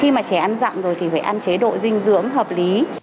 khi mà trẻ ăn dặm rồi thì phải ăn chế độ dinh dưỡng hợp lý